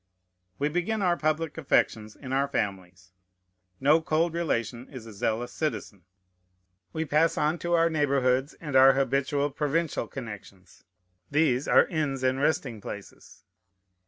We begin our public affections in our families. No cold relation is a zealous citizen. We pass on to our neighborhoods, and our habitual provincial connections. These are inns and resting places.